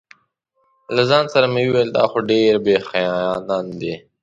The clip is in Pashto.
له ځان سره مې ویل دا خو ډېر بې حیایان دي.